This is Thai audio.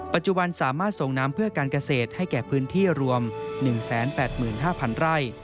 ปัจจุบันสามารถส่งน้ำเพื่อการเกษตรให้แก่พื้นที่รวม๑๘๕๐๐ไร่